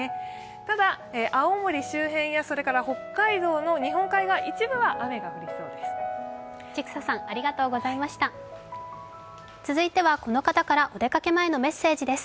ただ、青森周辺や北海道の日本海側の一部は雨が降りそうです。